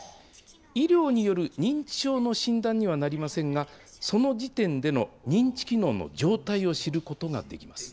医療による認知症の診断にはなりませんが、その時点での認知機能の状態を知ることができます。